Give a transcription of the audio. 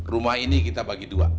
rumah ini kita bagi dua